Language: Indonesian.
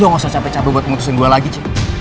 lo gak usah capek capek buat memutusin gue lagi c